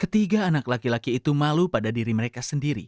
ketiga anak laki laki itu malu pada diri mereka sendiri